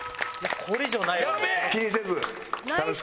これ以上ないわ。